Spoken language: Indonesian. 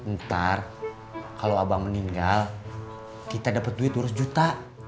ntar kalo abang meninggal kita dapet duit seratus juta